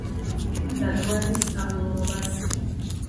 და დროებით სტაბილურობას.